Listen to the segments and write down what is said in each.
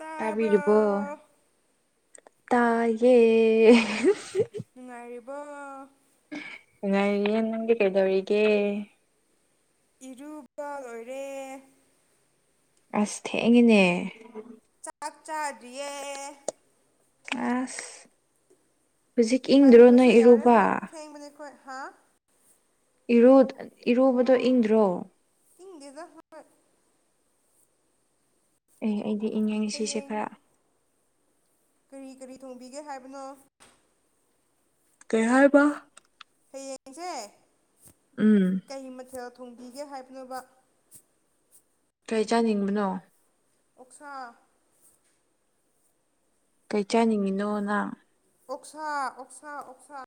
ꯇꯥꯕ꯭ꯔꯣ ꯇꯥꯕꯤꯔꯔꯕꯣ ꯇꯌꯦ ꯅꯨꯡꯉꯥꯏꯔꯤꯕ ꯅꯨꯡꯉꯥꯏꯔꯤꯌꯦ ꯅꯪꯗꯤ ꯀꯩꯗꯧꯔꯤꯒꯦ ꯏꯔꯨꯕ ꯂꯣꯏꯔꯦ ꯑꯁ ꯊꯦꯡꯉꯤꯅꯦ ꯆꯥꯛ ꯆꯥꯗ꯭ꯔꯤꯌꯦ ꯑꯁ ꯍꯧꯖꯤꯛ ꯏꯪꯗ꯭ꯔꯣ ꯅꯣꯏ ꯏꯔꯨꯕ ꯏꯪꯕꯅꯦꯈꯣꯏ ꯍꯥ ꯏꯔꯣꯕꯗꯣ ꯏꯪꯗ꯭ꯔꯣ ꯍꯤꯡꯦꯖ ꯑꯦ ꯑꯩꯗꯤ ꯏꯪꯉꯦ ꯁꯤꯁꯦ ꯍꯌꯦꯡ ꯈꯔ ꯀꯔꯤ ꯀꯔꯤ ꯊꯣꯡꯕꯤꯒꯦ ꯍꯥꯏꯕꯅꯣ ꯀꯩ ꯍꯥꯏꯕ ꯍꯌꯦꯡꯁꯦ ꯎꯝ ꯀꯩ ꯃꯊꯦꯜ ꯊꯣꯡꯕꯤꯒꯦ ꯍꯥꯏꯕꯅꯣꯕ ꯀꯩ ꯆꯥꯅꯤꯡꯕꯅꯣ ꯑꯣꯛꯁꯥ ꯀꯩ ꯆꯥꯅꯤꯡꯉꯤꯅꯣ ꯅꯪ ꯑꯣꯛꯁꯥ ꯑꯣꯛꯁꯥ ꯑꯣꯛꯁꯥ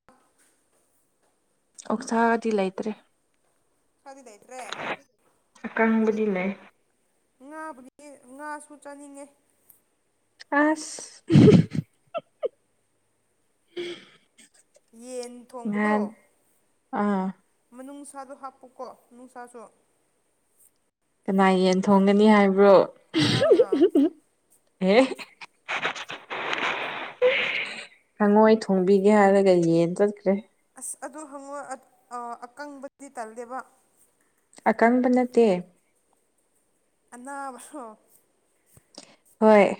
ꯑꯣꯛꯁꯥꯗꯤ ꯂꯩꯇ꯭ꯔꯦ ꯁꯥꯗꯤ ꯂꯩꯇ꯭ꯔꯦ ꯑꯀꯪꯕꯗꯤ ꯂꯩ ꯉꯥꯕꯨꯗꯤ ꯉꯥꯁꯨ ꯆꯥꯅꯤꯡꯉꯦ ꯑꯁ ꯌꯦꯟ ꯊꯣꯡꯕꯗꯣ ꯉꯍꯥꯟ ꯑꯥ ꯃꯅꯨꯡꯁꯥꯗꯣ ꯍꯥꯞꯄꯨꯀꯣ ꯅꯨꯡꯁꯥꯁꯨ ꯀꯅꯥ ꯌꯦꯟ ꯊꯣꯡꯒꯅꯤ ꯍꯥꯏꯕ꯭ꯔꯣ ꯅꯪꯅ ꯑꯦ ꯍꯪꯉꯣꯏ ꯊꯣꯡꯕꯤꯒꯦ ꯍꯥꯏꯔꯒ ꯌꯦꯟ ꯆꯠꯈ꯭ꯔꯦ ꯑꯁ ꯑꯗꯨ ꯍꯪꯉꯣꯏ ꯑ-ꯑꯀꯪꯕꯗꯤ ꯇꯜꯂꯦꯕ ꯑꯀꯪꯕ ꯅꯠꯇꯦ ꯑꯅꯥꯕꯔꯣ ꯍꯣꯏ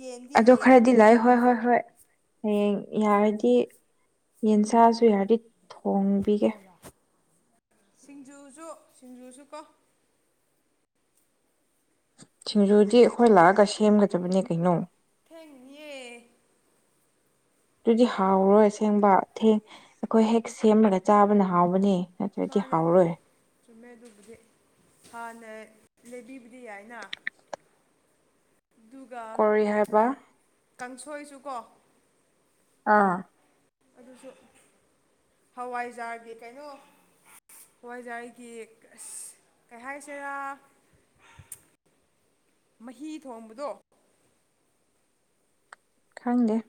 ꯌꯦꯟꯗꯤ ꯑꯗꯣ ꯌꯦꯟ ꯈ꯭ꯔꯗꯤ ꯂꯩ ꯍꯣꯏ ꯍꯣꯏ ꯍꯣꯏ ꯍꯌꯦꯡ ꯌꯥꯔꯗꯤ ꯌꯦꯟꯁꯥꯁꯨ ꯌꯥꯔꯗꯤ ꯊꯣꯡ ꯍꯧꯔꯣ ꯁꯤꯡꯖꯨꯁꯨ ꯁꯤꯡꯖꯨꯁꯨ ꯀꯣ ꯁꯤꯡꯖꯨꯗꯤ ꯑꯩꯈꯣꯏ ꯂꯥꯛꯑꯒ ꯁꯦꯝꯒꯗꯕꯅꯦ ꯀꯩꯅꯣ ꯊꯦꯡꯅꯤꯌꯦ ꯑꯗꯨꯗꯤ ꯍꯥꯎꯔꯣꯏ ꯑꯁꯦꯡꯕ ꯊꯦꯡ ꯑꯩꯈꯣꯏ ꯍꯦꯛ ꯁꯦꯝꯂꯒ ꯆꯥꯕꯅ ꯍꯥꯎꯕꯅꯦ ꯅꯠꯇ꯭ꯔꯗꯤ ꯃꯥꯅꯦ ꯍꯥꯎꯔꯣꯏ ꯆꯨꯝꯃꯦ ꯑꯗꯨꯕꯨꯗꯤ ꯍꯥꯟꯅ ꯂꯩꯕꯤꯕꯗꯤ ꯌꯥꯏꯅ ꯑꯗꯨꯒ ꯀꯣꯔꯤ ꯍꯥꯏꯕ ꯀꯥꯡꯁꯣꯏꯁꯨ ꯀꯣ ꯑꯥ ꯑꯗꯨꯁꯨ ꯍꯋꯥꯏꯖꯥꯔꯒꯤ ꯀꯩꯅꯣ ꯍꯋꯥꯏꯖꯥꯔꯒꯤ ꯑꯁ ꯀꯩ ꯍꯥꯏꯁꯤꯔꯥ ꯃꯍꯤ ꯊꯣꯡꯕꯗꯣ ꯈꯪꯗꯦ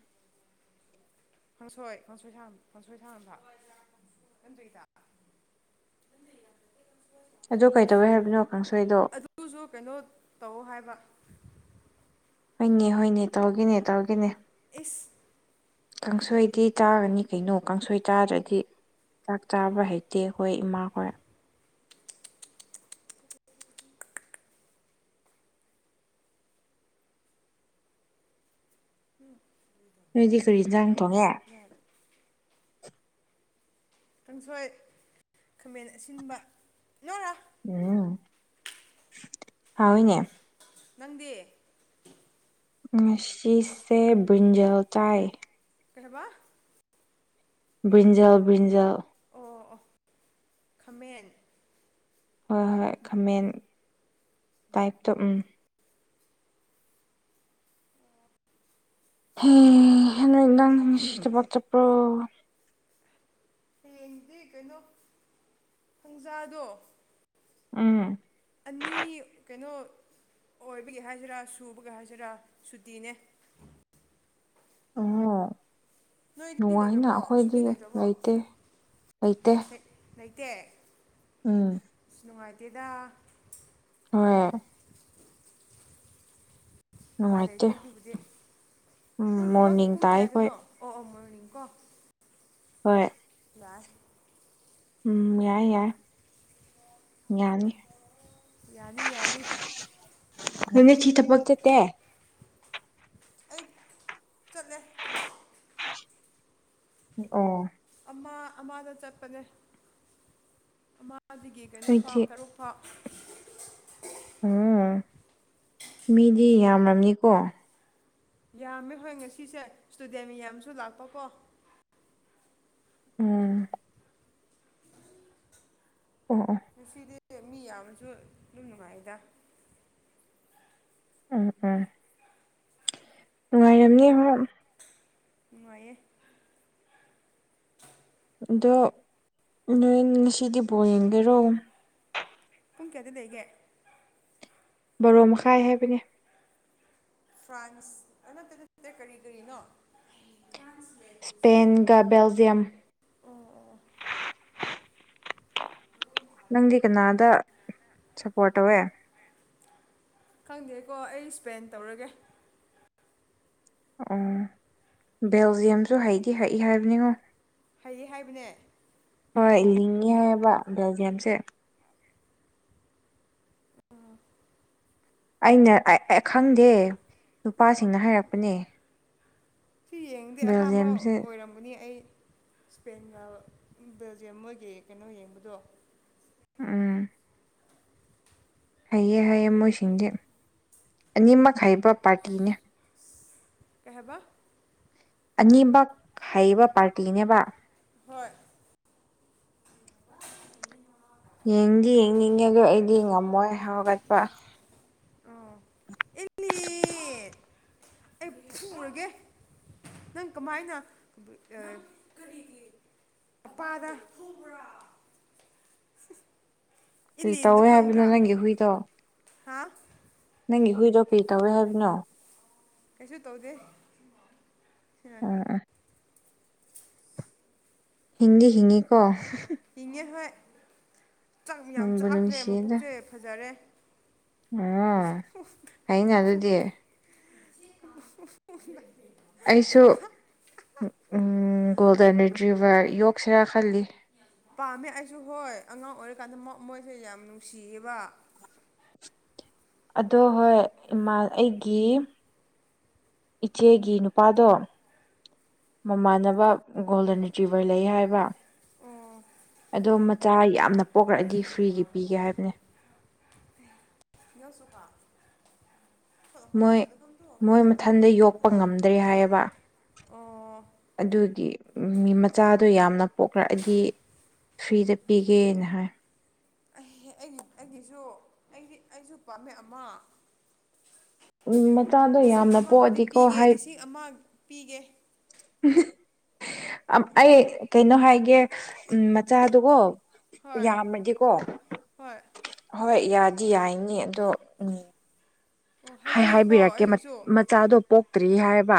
ꯀꯥꯡꯁꯣꯏ ꯀꯥꯡꯁꯣꯏ ꯁꯥꯡ ꯀꯪꯁꯣꯏ ꯊꯥꯛꯅꯕ ꯍꯋꯥꯏꯊꯔꯥꯛ ꯈꯟꯗꯔꯤꯗ ꯑꯗꯨ ꯀꯩꯗꯧꯋꯦ ꯍꯥꯏꯕꯅꯣ ꯀꯥꯡꯁꯣꯏꯗꯣ ꯑꯗꯨꯁꯨ ꯀꯩꯅꯣ ꯇꯧ ꯍꯥꯏꯕ ꯍꯣꯏꯅꯦ ꯍꯣꯏꯅꯦ ꯇꯧꯒꯅꯦ ꯇꯧꯒꯤꯅꯦ ꯏꯁꯐ ꯀꯥꯡꯁꯣꯏꯗꯤ ꯇꯥꯒꯅꯤ ꯀꯩꯅꯣ ꯀꯥꯡꯁꯣꯏ ꯇꯥꯗ꯭ꯔꯗꯤ ꯆꯥꯛ ꯆꯥꯕ ꯍꯩꯇꯦ ꯑꯩꯈꯣꯏ ꯏꯃꯥ ꯍꯣꯏ ꯍꯝ ꯅꯣꯏꯗꯤ ꯀꯔꯤ ꯆꯥꯡ ꯊꯣꯡꯉꯦ ꯀꯥꯡꯪꯁꯣꯏ ꯈꯥꯃꯦꯟ ꯑꯁꯤꯟꯕ ꯂꯣꯏꯔꯣ ꯎꯝ ꯐꯥꯎꯅꯦ ꯅꯪꯗꯤ ꯉꯁꯤꯁꯦ ꯕꯨ꯭ꯔꯤꯟꯖꯜ ꯇꯥꯏ ꯀꯩ ꯍꯥꯏꯕꯥ ꯕ꯭ꯔꯤꯟꯖꯥꯜ ꯕ꯭ꯔꯤꯟꯖꯥꯜ ꯑꯣ ꯑꯣ ꯈꯥꯃꯦꯟ ꯍꯣꯏ ꯍꯣꯏ ꯈꯥꯃꯦꯟ ꯇꯥꯏꯞꯇꯣ ꯎꯝ ꯍ ꯍꯣ ꯅꯪ ꯉꯁꯤ ꯊꯕꯛ ꯆꯠꯄ꯭ꯔꯣ ꯍꯌꯦꯡꯗꯤ ꯀꯩꯅꯣ ꯄꯨꯡꯖꯥꯗꯣ ꯎꯝ ꯑꯅꯤ ꯀꯩꯅꯣ ꯑꯣꯏꯕꯒꯤ ꯍꯥꯏꯁꯤꯔꯥ ꯁꯨꯕꯒꯤ ꯍꯥꯏꯁꯤꯔꯥ ꯁꯨꯇꯤꯅꯦ ꯑꯣ ꯅꯣꯏꯗꯤ ꯅꯨꯡꯉꯥꯏꯅ ꯂꯩꯇ꯭ꯔꯕꯣ ꯁꯨꯇꯤ ꯑꯩꯈꯣꯏꯗꯤ ꯂꯩꯇ꯭ꯔꯕꯣ ꯂꯩꯇꯦ ꯂꯩꯇꯦ ꯂꯩꯇꯦ ꯎꯝ ꯏꯁ ꯅꯨꯡꯉꯥꯏꯇꯦꯗ ꯍꯣꯏ ꯎꯚꯥꯏ ꯅꯨꯡꯉꯥꯏꯇꯦ ꯂꯩꯇꯦ ꯑꯗꯨꯕꯨꯗꯤ ꯎꯝ ꯅꯪ ꯊꯕ ꯃꯣꯔꯅꯤꯡ ꯄꯨꯡ ꯇꯥꯏ ꯑꯩꯈꯣꯏ ꯀꯌꯥꯗꯅꯣ ꯑꯣ ꯑꯣ ꯃꯣꯔꯅꯤꯡ ꯀꯣ ꯍꯣꯏ ꯏ ꯎꯝ ꯌꯥꯏ ꯌꯥꯏ ꯌꯥꯅꯤ ꯌꯥꯅꯤ ꯌꯥꯅꯤ ꯅ ꯆꯤ ꯊꯄꯛ ꯆ ꯇ ꯑꯩ ꯆꯠꯂꯦ ꯑꯣ ꯑꯃ ꯑꯃꯗ ꯆꯠꯄꯅꯦ ꯑꯃꯗꯒꯤ ꯀꯩꯅꯣꯥꯎ ꯅꯣꯏꯗꯤ ꯇꯔꯨꯛ ꯍ ꯎꯝ ꯃꯤꯗꯤ ꯌꯥꯝꯂꯅꯤꯀꯣ ꯌꯥꯝꯃꯦ ꯍꯣꯏ ꯉꯁꯤꯁꯦ ꯏꯁꯇꯨꯗꯦꯟ ꯃꯌꯥꯝꯁꯨ ꯂꯥꯛꯄꯀꯣ ꯎꯝ ꯑꯣ ꯑꯣ ꯉꯁꯤꯗꯤ ꯃꯤ ꯌꯥꯝꯅꯁꯨ ꯑꯗꯨꯝ ꯅꯨꯡꯉꯥꯏꯗ ꯎꯝ ꯎꯝ ꯅꯨꯡꯉꯥꯏꯔꯝꯅꯤ ꯍꯣꯏ ꯅꯨꯡꯉꯥꯏꯌꯦ ꯑꯗꯣ ꯅꯣꯏ ꯉꯁꯤꯗꯤ ꯕꯣꯔ ꯌꯦꯡꯒꯦꯔꯣ ꯄꯨꯡ ꯀꯌꯥꯗꯤ ꯂꯩꯒꯦ ꯕꯣꯔꯣ ꯃꯈꯥꯏ ꯍꯥꯏꯕꯅꯦ ꯐ꯭ꯔꯥꯟꯁ ꯅꯠꯇ ꯅꯠꯇꯦ ꯀꯔꯤ ꯀꯔꯤꯅꯣ ꯁ꯭ꯄꯦꯟꯒ ꯕꯦꯜꯖꯤꯌꯝ ꯑꯣ ꯑꯣ ꯅꯪꯗꯤ ꯀꯅꯥꯗ ꯁꯞꯄꯣꯔꯠ ꯇꯧꯋꯦ ꯈꯪꯗꯦꯀꯣ ꯑꯩ ꯏꯁꯄꯦꯟ ꯇꯧꯔꯒꯦ ꯑꯣ ꯕꯦꯜꯖꯤꯌꯝꯁꯨ ꯍꯩꯗꯤ ꯍꯩꯏ ꯍꯥꯏꯕꯅꯤꯉꯣ ꯍꯩꯌꯦ ꯍꯥꯏꯕꯅꯦ ꯍꯣꯏ ꯏꯜꯂꯤꯡꯉꯦ ꯍꯥꯏꯕ ꯕꯦꯜꯖꯤꯌꯝꯁꯦ ꯑꯩꯅ ꯈꯪꯗꯦ ꯅꯨꯄꯥꯁꯤꯡꯅ ꯍꯥꯏꯔꯛꯄꯅꯦ ꯁꯤ ꯌꯦꯡꯉꯗꯦ ꯑꯍꯥꯟꯕ ꯕꯦꯜꯖꯤꯌꯝꯁꯦ ꯑꯣꯏꯔꯝꯒꯅꯤ ꯑꯩ ꯁ꯭ꯄꯦꯟꯒ ꯕꯦꯜꯖꯤꯌꯝ ꯃꯣꯏꯒꯤ ꯀꯩꯅꯣ ꯌꯦꯡꯕꯗꯣ ꯑꯝ ꯍꯥꯏꯩꯑꯦ ꯍꯥꯏꯩꯌꯦꯦ ꯃꯣꯏꯁꯤꯡꯁꯦ ꯑꯅꯤꯃꯛ ꯍꯥꯏꯕ ꯄꯥꯔꯇꯤꯅꯦ ꯀꯍꯕ ꯑꯅꯤꯃꯛ ꯍꯩꯕ ꯄꯥꯔꯇꯤꯅꯦꯕ ꯍꯣꯏ ꯌꯦꯡꯗꯤ ꯌꯦꯡꯅꯤꯡꯉꯦꯗ ꯑꯩꯗꯤ ꯉꯝꯃꯣꯏ ꯍꯧꯒꯠꯄ ꯑꯥ ꯑꯩ ꯁꯨꯔꯒꯦ ꯅꯪ ꯀꯃꯥꯏꯅ ꯑꯄꯥꯗ ꯍꯨꯕ꯭ꯔꯥ ꯀꯔꯤ ꯏꯜꯂꯤꯟꯗꯣ ꯇꯧꯋꯦ ꯍꯥꯏꯕꯅꯣ ꯈꯪꯕ꯭ꯔꯥ ꯅꯪꯒꯤ ꯍꯨꯏꯗꯣ ꯍꯥ ꯅꯪꯒꯤ ꯍꯨꯏꯗꯣ ꯀꯩ ꯇꯧꯏꯦ ꯍꯥꯏꯕꯅꯣ ꯀꯩꯁꯨ ꯇꯧꯗꯦ ꯑꯦ ꯑꯣ ꯍꯤꯡꯗꯤ ꯍꯤꯡꯉꯤꯀꯣ ꯏꯡꯉꯦ ꯍꯣꯏ ꯆꯥꯛ ꯌꯥꯝ ꯅꯨꯡꯕꯨ ꯆꯥꯈ꯭ꯔꯦ ꯅꯨꯡꯁꯤꯌꯦꯗ ꯃꯕꯨꯛꯁꯦ ꯐꯖꯔꯦ ꯑꯣ ꯍꯩꯅ ꯑꯗꯨꯗꯤ [unintelligible] ꯑꯩꯁꯨ ꯒꯣꯜꯗꯟ ꯗ꯭ꯨꯕꯔ ꯌꯣꯛꯁꯤꯔꯥ ꯈꯜꯂꯤ ꯄꯥꯝꯃꯦ ꯑꯩꯁꯨ ꯍꯣꯏ ꯑꯉꯥꯡ ꯑꯣꯏꯔꯤꯀꯥꯟꯗ ꯃꯣꯏꯁꯦ ꯌꯥꯝ ꯅꯨꯡꯁꯤꯌꯦꯕ ꯑꯗꯣ ꯍꯣꯏ ꯏꯃꯥ ꯑꯩꯒꯤ ꯏꯆꯦꯒꯤ ꯅꯨꯄꯥꯗꯣ ꯃꯃꯥꯟꯅꯕ ꯒꯣꯜꯗꯟꯇ꯭ꯕꯔ ꯂꯩ ꯍꯥꯏꯕ ꯑꯣ ꯑꯗꯣ ꯃꯆꯥ ꯌꯥꯝꯅ ꯄꯣꯛꯂꯛꯑꯗꯤ ꯐ꯭ꯔꯤꯒꯤ ꯄꯤꯒꯦ ꯍꯥꯏꯕꯅꯦ ꯁꯨꯕ ꯃꯣꯏ ꯃꯣꯏ ꯃꯊꯟꯗ ꯌꯣꯛꯄ ꯉꯝꯗ꯭ꯔꯦ ꯍꯥꯏꯌꯦꯕ ꯑꯗꯨꯒꯤ ꯃꯤ ꯃꯆꯥꯗꯣ ꯌꯥꯝꯅ ꯄꯣꯛꯈꯂꯛꯑꯗꯤ ꯐ꯭ꯔꯤꯗ ꯄꯤꯒꯦꯅ ꯍꯥꯏ ꯑ ꯑꯩꯒꯤꯁꯨ ꯑꯩꯗꯤ ꯑꯩꯁꯨ ꯄꯥꯝꯃꯦ ꯑꯃ ꯎꯝ ꯃꯆꯥꯗꯣ ꯂꯤꯁꯤꯡ ꯌꯥꯝꯅ ꯑꯃꯕꯨꯗꯤ ꯄꯣꯛꯑꯗꯤꯀꯣ ꯄꯤꯒꯦ ꯍꯥꯏ ꯂꯤꯁꯤꯡ ꯑꯃ ꯄꯤꯒꯦ ꯑꯩ ꯀꯩꯅꯣ ꯍꯥꯏꯒꯦ ꯎ ꯃꯆꯥꯗꯨꯒꯣ ꯍꯣꯏ ꯌꯥꯝꯃꯗꯤꯀꯣ ꯍꯣꯏ ꯍꯣꯏ ꯌꯥꯗꯤ ꯌꯥꯏꯅꯤ ꯑꯗꯣ ꯎꯝ ꯑꯣ ꯍꯥꯏ ꯍꯥꯏꯕꯤꯌꯨꯀꯣ ꯍꯥꯏꯕꯤꯔꯛꯀꯦ ꯑꯩꯒꯤꯁꯨ ꯆꯆꯥꯗꯣ ꯄꯣꯛꯇ꯭ꯔꯤ ꯍꯥꯏꯕ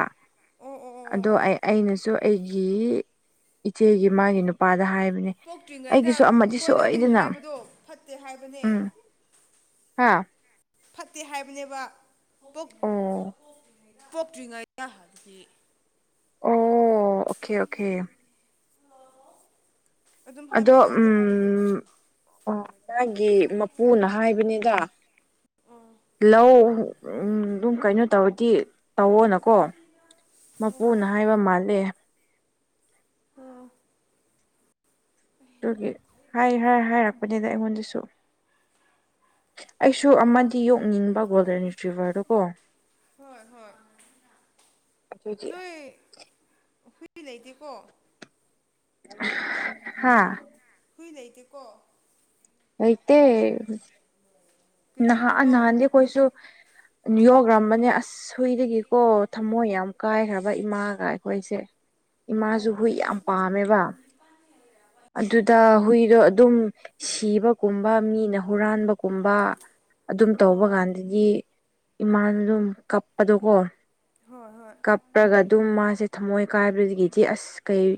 ꯑꯣ ꯑꯣ ꯑꯣ ꯑꯣ ꯑꯗꯣ ꯑꯣ ꯑꯩ ꯑꯩꯅꯁꯨ ꯑꯩꯒꯤ ꯏꯆꯦꯒꯤ ꯃꯥꯒꯤ ꯅꯨꯄꯥꯗ ꯍꯥꯏꯕꯅꯦ ꯄꯣꯛꯇ꯭ꯔꯤꯉꯩꯗ ꯑꯩꯒꯤꯁꯨ ꯑꯃꯗꯤ ꯑꯩꯈꯣꯏꯅ ꯑꯗꯨꯝ ꯁꯣꯏꯗꯅ ꯍꯥꯏꯕꯗꯣ ꯐꯠꯇꯦ ꯍꯥꯏꯕꯅꯦ ꯍꯥꯥ ꯐꯠꯇꯦ ꯍꯥꯏꯕꯅꯦꯕ ꯑꯣ ꯄꯣꯛꯇ꯭ꯔꯤꯉꯩꯗ ꯍꯥꯏꯗꯤ ꯑꯣ ꯑꯣꯀꯦ ꯑꯣꯀꯦ ꯑꯗꯨꯝ ꯍꯥꯏꯕ ꯑꯗꯣ ꯎ ꯌꯥꯗꯦ ꯍꯥꯏꯕꯗꯨ ꯑꯣ ꯃꯥꯒꯤ ꯃꯄꯨꯅ ꯍꯥꯏꯕꯅꯤꯗ ꯑꯣ ꯂꯧ ꯎ ꯑꯗꯨꯝ ꯀꯩꯅꯣ ꯇꯧꯔꯗꯤ ꯇꯧꯋꯣꯅꯀꯣ ꯃꯄꯨꯅ ꯑꯣ ꯍꯥꯏꯕ ꯃꯥꯜꯂꯦ ꯍꯥ ꯑꯗꯨꯒꯤ ꯍꯥꯏ ꯍꯥꯏ ꯍꯥꯏꯔꯛꯄꯅꯤꯗ ꯑꯩꯉꯣꯟꯗꯁꯨ ꯑꯩꯁꯨ ꯑꯃꯗꯤ ꯌꯣꯛꯅꯤꯡꯕ ꯒꯣꯜꯗꯟꯇ꯭ꯔꯤꯚꯔꯗꯨ ꯀꯣ ꯍꯣꯏ ꯍꯣꯏ ꯑꯗꯨꯒꯤ ꯅꯣꯏ ꯍꯨꯏ ꯂꯩꯩꯗꯦꯀꯣ ꯍꯥꯥ ꯍꯨꯏ ꯂꯩꯇꯦꯀꯣ꯫ ꯂꯩꯇꯦ ꯅꯍꯥꯟ ꯀꯔꯤꯒꯤꯅꯣ ꯅꯍꯥꯟꯗꯤ ꯑꯩꯈꯣꯏꯁꯨ ꯌꯣꯈ꯭ꯔꯝꯕꯅꯦ ꯑꯁ ꯁꯣꯏꯗꯒꯤꯀꯣ ꯊꯝꯃꯣꯏ ꯌꯥꯝ ꯀꯥꯏꯈ꯭ꯔꯕ ꯏꯃꯥꯒ ꯑꯩꯈꯣꯏꯁꯦ ꯑꯣ ꯏꯃꯥꯁꯨ ꯍꯨꯏ ꯑꯣ ꯌꯥꯝ ꯄꯥꯝꯃꯦꯕ ꯑꯗꯨꯗ ꯍꯨꯏꯗꯣ ꯑꯗꯨꯝ ꯁꯤꯕꯒꯨꯝꯕ ꯃꯤꯅ ꯍꯨꯔꯥꯟꯕꯒꯨꯝꯕ ꯑꯗꯨꯝ ꯑꯣ ꯇꯧꯕ ꯀꯥꯟꯗꯗꯤ ꯏꯃꯥꯅ ꯑꯗꯨꯝ ꯀꯞꯄꯗꯣꯀꯣ ꯍꯣꯏ ꯍꯣꯏ ꯀꯥꯞꯄ꯭ꯔꯒ ꯑꯗꯨꯝ ꯃꯥꯁꯦ ꯊꯝꯃꯣꯏ ꯀꯥꯏꯕꯗꯒꯤꯗꯤ ꯑꯁ ꯀꯩ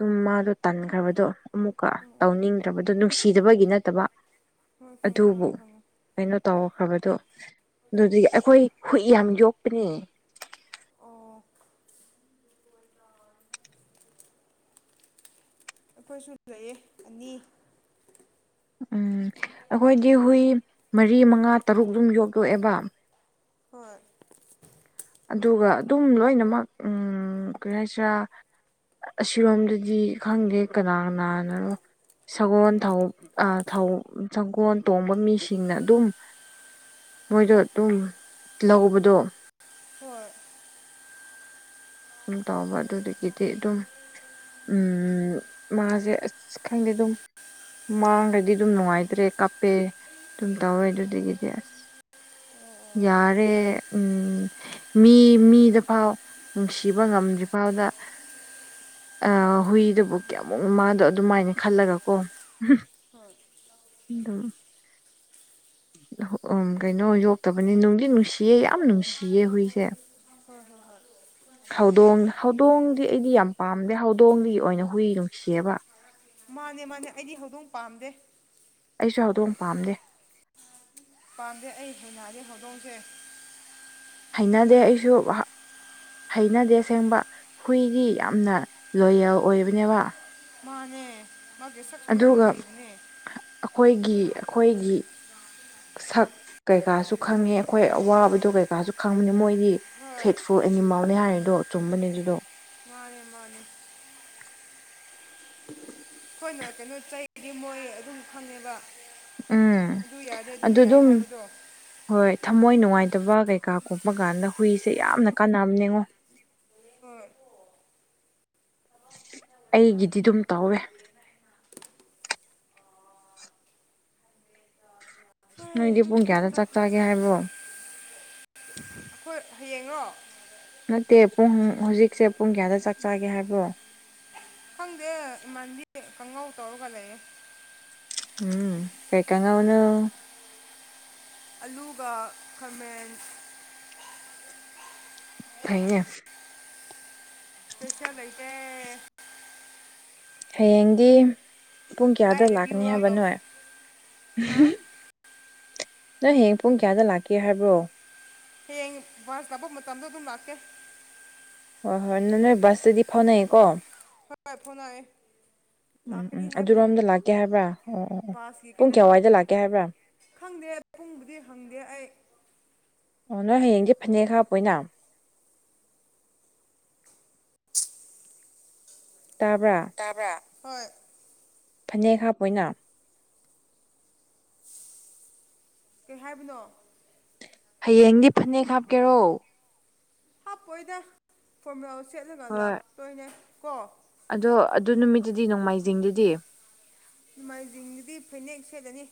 ꯑꯗꯨꯝ ꯃꯥꯗꯣ ꯇꯟꯈ꯭ꯔꯕꯗꯣ ꯑꯃꯨꯛꯀ ꯇꯧꯅꯤꯡꯗ꯭ꯔꯕꯗꯣ ꯅꯨꯡꯁꯤꯗꯕꯒꯤ ꯅꯠꯇꯕ ꯍꯣꯏ ꯈꯪꯉꯦ ꯑꯗꯨꯕꯨ ꯈꯪꯉꯦ ꯈꯪꯉꯦ ꯀꯩꯅꯣ ꯇꯧꯈ꯭ꯔꯕꯗꯣ ꯑꯗꯨꯗꯤ ꯑꯩꯈꯣꯏ ꯍꯨꯏ ꯌꯥꯝ ꯌꯣꯛꯄꯅꯦ ꯑꯣ ꯑꯩꯈꯣꯏꯁꯨ ꯂꯩꯑ ꯑꯅꯤ ꯎꯝ ꯑꯩꯈꯣꯏꯗꯤ ꯍꯨꯏ ꯃꯔꯤ ꯃꯉꯥ ꯇꯔꯨꯛ ꯑꯗꯨꯝ ꯌꯣꯛꯂꯣꯛꯑꯦꯕ ꯍꯣꯏ ꯑꯗꯨꯒ ꯑꯗꯨꯝ ꯂꯣꯏꯅꯃꯛ ꯎꯝ ꯀꯔꯤ ꯍꯥꯏꯁꯤꯔꯥ ꯑꯁꯤꯔꯣꯝꯗꯗꯤ ꯈꯪꯗꯦ ꯀꯅꯥ ꯀꯅꯥꯅꯅꯣ꯫ ꯁꯒꯣꯜ ꯊꯧ ꯑꯥ ꯊꯧ ꯁꯒꯣꯜ ꯇꯣꯡꯕ ꯃꯤꯁꯤꯡꯅ ꯑꯗꯨꯝ ꯃꯣꯏꯗꯣ ꯑꯗꯨꯝ ꯂꯧꯕꯗꯣ ꯍꯣꯏ [unintelligible] ꯇꯧꯕ ꯑꯗꯨꯗꯒꯤꯗꯤ ꯑꯗꯨꯝ ꯎ ꯃꯥꯁꯦ ꯑꯁ ꯈꯪꯗꯦ ꯑꯗꯨꯝ ꯃꯥꯡꯗꯗꯤ ꯑꯗꯨꯝ ꯅꯨꯡꯉꯥꯏꯇ꯭ꯔꯦ ꯀꯞꯄꯦ ꯑꯗꯨꯝ ꯇꯧꯋꯦ ꯑꯗꯨꯗꯒꯤꯗꯤ ꯑꯁ ꯌꯥꯔꯦ ꯎꯝ ꯃꯤ ꯃꯤꯗ ꯐꯥꯎ ꯅꯨꯡꯁꯤꯕ ꯉꯝꯗ꯭ꯔꯤꯐꯥꯎꯗ ꯍꯨꯏꯗꯨꯕꯨ ꯀꯌꯥꯃꯨꯛ ꯃꯥꯗꯣ ꯑꯗꯨꯃꯥꯏꯅ ꯈꯜꯂꯒꯀꯣ ꯍꯣꯏ [unintelligible] ꯑꯗꯨꯝ ꯎ ꯀꯩꯅꯣ ꯌꯣꯛꯇꯕꯅꯤ ꯅꯨꯡꯗꯤ ꯅꯨꯡꯁꯤꯌꯦ ꯌꯥꯝ ꯅꯨꯡꯁꯤꯌꯦ ꯍꯨꯏꯁꯦ꯫ ꯍꯣꯏ ꯍꯣꯏ ꯍꯣꯏ [unintelligible] ꯍꯧꯗꯣꯡ ꯍꯧꯗꯣꯡꯗꯤ ꯑꯩꯗꯤ ꯌꯥꯝ ꯄꯥꯝꯗꯦ ꯍꯧꯗꯣꯡ ꯑꯣꯏꯅ ꯍꯨꯏ ꯅꯨꯡꯁꯤꯑꯕ꯫ ꯃꯥꯅꯦ ꯃꯥꯅꯦ ꯑꯩꯗꯤ ꯍꯧꯗꯣꯡ ꯄꯥꯝꯗꯦ꯫ ꯑꯩꯁꯨ ꯍꯧꯗꯣꯡ ꯄꯥꯝꯗꯦ꯫ ꯄꯥꯝꯗꯦ ꯑꯩ ꯍꯩꯅꯗꯦ ꯍꯧꯗꯣꯡꯁꯦ꯫ ꯍꯩꯅꯗꯦ ꯑꯩꯁꯨ ꯍꯩꯅꯗꯦꯁꯦꯡꯕ ꯍꯨꯏꯗꯤ ꯌꯥꯝꯅ ꯂꯣꯌꯦꯜ ꯑꯣꯏꯕꯅꯦꯕ꯫ ꯃꯥꯅꯦ ꯃꯥꯁꯦ ꯁꯛꯁꯨ ꯌꯥꯝ ꯑꯗꯨꯒ ꯅꯨꯡꯁꯤꯕꯅꯦ꯫ ꯑꯩꯈꯣꯏꯒꯤ ꯑꯩꯈꯣꯏꯒꯤ ꯁꯛ ꯀꯩꯀꯥꯁꯨ ꯈꯪꯉꯦ ꯑꯩꯈꯣꯏ ꯑꯋꯥꯕꯗꯣ ꯀꯩꯀꯥꯁꯨ ꯈꯪꯕꯅꯤ ꯃꯣꯏꯗꯤ ꯍꯣꯏ ꯐꯦꯠ ꯐꯨ ꯑꯦꯅꯤꯃꯜꯅꯦ ꯍꯥꯏꯔꯤꯗꯣ ꯆꯨꯝꯕꯅꯦ ꯑꯗꯨꯗꯣ ꯃꯥꯅꯦ ꯃꯥꯅꯦ [unintelligible] [unintelligible] ꯑꯩꯈꯣꯏꯅ ꯀꯩꯅꯣ ꯆꯩꯗꯤ ꯃꯣꯏ ꯑꯗꯨꯝ ꯈꯪꯉꯦꯕ ꯎꯝ ꯑꯗꯨ ꯌꯥꯗꯦ ꯑꯗꯨꯝ ꯌꯥꯏ ꯍꯥꯏꯕꯗꯣ ꯍꯣꯏ ꯊꯝꯃꯣꯏ ꯅꯨꯡꯉꯥꯏꯇꯕ ꯀꯩꯀꯥ ꯀꯣꯛꯄ ꯀꯥꯟꯗ ꯍꯨꯏꯁꯦ ꯌꯥꯝꯅ ꯀꯥꯟꯅꯕ ꯌꯦꯡꯉꯣ ꯍꯣꯏ ꯑꯩꯒꯤꯗꯤ ꯑꯗꯨꯝ ꯇꯧꯋꯦ꯫ ꯍꯣꯏ ꯅꯣꯏꯗꯤ ꯄꯨꯡ ꯀꯌꯥꯗ ꯆꯥꯛ ꯆꯛꯆꯥꯒꯦ ꯍꯥꯏꯕ꯭ꯔꯣ꯫ ꯍꯌꯦꯡꯉꯣ ꯅꯠꯇꯦ ꯄꯨꯡ ꯍꯧꯖꯤꯛꯁꯦ ꯄꯨꯡ ꯀꯌꯥꯗ ꯆꯥꯛ ꯆꯥꯒꯦ ꯍꯥꯏꯕ꯭ꯔꯣ ꯈꯪꯗꯦ ꯏꯃꯥꯟꯗꯤ ꯀꯥꯡꯪꯉꯧ ꯇꯧꯔꯒ ꯂꯩꯌꯦꯦ ꯎꯝ ꯀꯩꯀꯉꯕꯨꯅ ꯑꯂꯨꯒ ꯈꯥꯃꯦꯟ ꯑꯦ ꯁꯦꯁ ꯂꯩꯩꯇ ꯍꯌꯦꯡꯗꯤ ꯄꯨꯡ ꯀꯌꯥꯗ ꯂꯥꯏꯔꯕꯤ ꯂꯥꯛꯀꯅꯤ ꯔꯣꯜ ꯇꯧ ꯍꯥꯏꯕꯅꯣꯏ ꯍꯥ ꯅꯪ ꯍꯌꯦꯡ ꯄꯨꯡ ꯀꯌꯥꯗ ꯂꯥꯛꯀꯦ ꯍꯥꯏꯕ꯭ꯔꯣ꯫ ꯍꯌꯦꯡ ꯕꯁ ꯂꯥꯄ ꯃꯇꯝꯗꯣ ꯑꯗꯨꯝ ꯂꯥꯛꯀꯦ ꯍꯣꯏ ꯍꯣꯏ ꯅꯪ ꯅꯣꯏ ꯕꯁꯇꯗꯤ ꯐꯥꯎꯅꯩꯀꯣ꯫ ꯍꯣꯏ ꯐꯥꯎꯅꯩ꯫ ꯎꯝ ꯎꯝ ꯑꯗꯨꯔꯣꯝꯗ ꯂꯥꯛꯀꯦ ꯍꯥꯏꯕ꯭ꯔꯥ ꯑꯣ ꯑꯣ ꯑꯣ ꯕꯥꯁꯀꯤ ꯄꯨꯡ ꯀꯩꯅꯣꯗꯣ ꯀꯌꯥꯋꯥꯏꯗ ꯂꯥꯛꯀꯦ ꯍꯥꯏꯕ꯭ꯔꯥ꯫ ꯈꯪꯗꯦ ꯄꯨꯡꯕꯨꯗꯤ ꯍꯪꯗꯦ ꯑꯩ꯫ ꯑꯣ ꯅꯣꯏ ꯍꯌꯦꯡꯁ ꯐꯅꯦꯛ ꯍꯥꯞꯄꯣꯏꯅ ꯇꯥꯕ꯭ꯔꯥ ꯇꯥꯕ꯭ꯔ ꯍꯣꯏ ꯐꯅꯦꯛ ꯍꯥꯞꯄ ꯑꯣꯏꯅ ꯀꯩ ꯍꯥꯏꯕꯅꯣ ꯍꯌꯦꯡꯗꯤ ꯐꯅꯦꯛ ꯍꯥꯞꯀꯦꯔꯣ ꯍꯥꯞꯄꯣꯏꯗ ꯐꯣꯔꯃꯂꯥ ꯁꯦꯠꯂꯒ ꯍꯣꯏ ꯂꯥꯛꯇꯣꯏꯅꯦ ꯀꯣ ꯑꯗꯣ ꯑꯗꯨ ꯅꯨꯃꯤꯠꯇꯨꯗꯤ ꯅꯣꯡꯃꯥꯏꯖꯤꯡꯗꯨꯗꯤ ꯅꯣꯡꯃꯥꯏꯖꯤꯡꯗꯨꯗꯤ ꯐꯅꯦꯛ ꯁꯦꯂꯅꯤ